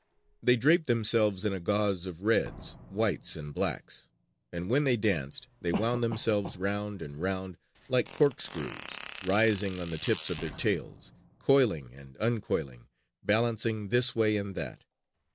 They draped themselves in a gauze of reds, whites and blacks; and when they danced, they wound themselves round and round like corkscrews, rising on the tips of their tails, coiling and uncoiling, balancing this way and that.